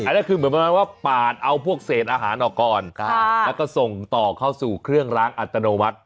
นั่นคือเหมือนประมาณว่าปาดเอาพวกเศษอาหารออกก่อนแล้วก็ส่งต่อเข้าสู่เครื่องร้างอัตโนมัติ